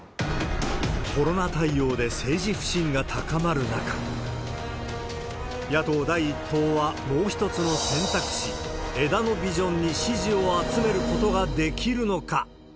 コロナ対応で政治不信が高まる中、野党第１党は、もう一つの選択肢、枝野ビジョンに支持を集めることができるのか。